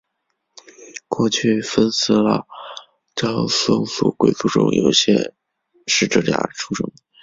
过去分寺拉章僧俗贵族中有些是这家出生的。